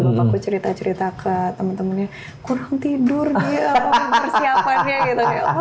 bapakku cerita cerita ke temen temennya kurang tidur dia bersiapannya gitu